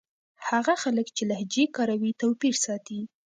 هغه خلک چې لهجې کاروي توپير ساتي.